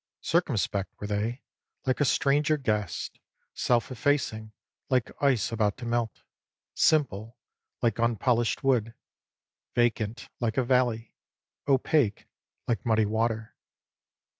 Circumspect were they, like a stranger guest ; self effacing, like ice about to melt ; simple, like unpolished wood ; vacant, like a valley ; opaque, like muddy water.